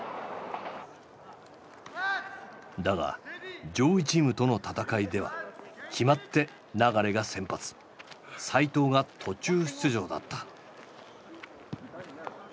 だが上位チームとの戦いでは決まって流が先発齋藤が途中出場だった。